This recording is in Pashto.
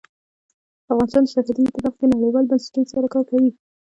افغانستان د سرحدونه په برخه کې نړیوالو بنسټونو سره کار کوي.